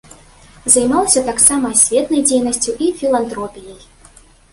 Займалася таксама асветнай дзейнасцю і філантропіяй.